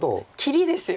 切りですよ。